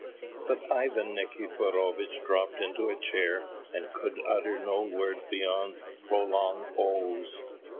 But Ivan Nikiforovitch dropped into a chair, and could utter no word beyond prolonged oh's.